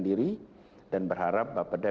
diri dan berharap bapeda